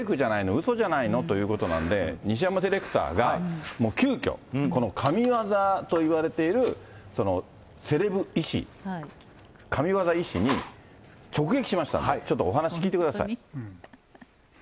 うそじゃないの？ということなんで、西山ディレクターが、急きょ、この神業といわれているセレブ医師、神業医師に、直撃しましたんで、ちょっとお話聞いてください。